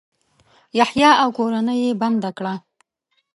یحیی او کورنۍ یې بنده کړه.